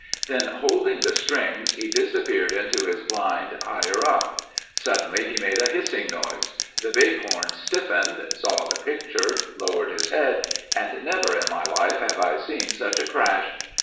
Then holding the strings, he disappeared into his blind higher up. Suddenly he made a hissing noise. The Big Horn stiffened, saw the picture, lowered his head and never in my life have I seen such a crash.